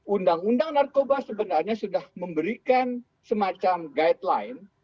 undang undang narkoba sebenarnya sudah memberikan semacam guideline